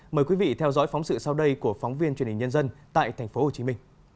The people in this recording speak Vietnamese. mời quý vị theo dõi phóng sự sau đây của phóng viên truyền hình nhân dân tại tp hcm